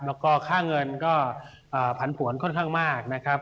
แล้วก็ค่าเงินก็ผันผวนค่อนข้างมากนะครับ